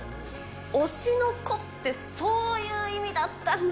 推しの子って、そういう意味だったんだ！